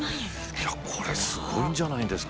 いやこれすごいんじゃないんですか？